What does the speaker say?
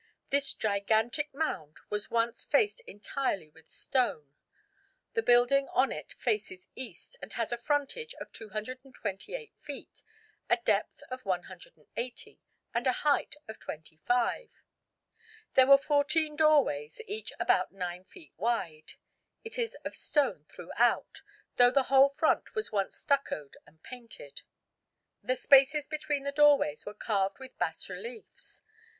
This gigantic mound was once faced entirely with stone. The building on it faces east, and has a frontage of 228 feet, a depth of 180, and a height of 25. There were fourteen doorways, each about 9 feet wide. It is of stone throughout, though the whole front was once stuccoed and painted. The spaces between the doorways were carved with bas reliefs.